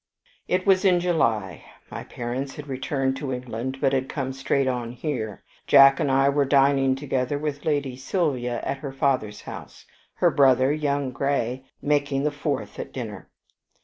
"It was in July. My parents had returned to England, but had come straight on here. Jack and I were dining together with Lady Sylvia at her father's house her brother, young Grey, making the fourth at dinner.